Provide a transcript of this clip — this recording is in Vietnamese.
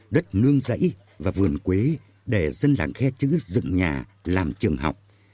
đất nương dãy và vườn quế để dân làng khe chữ dựng nhà làm trường học